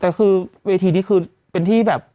แต่คือเวทีนี้คือเป็นที่แบบ